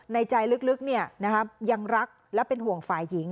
ในใจลึกยังรักและเป็นห่วงฝ่ายหญิง